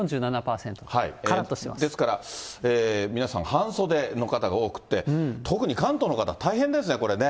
ですから、皆さん、半袖の方が多くて、特に関東の方、大変ですね、これね。